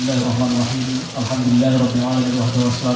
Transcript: baik mari kita berdoa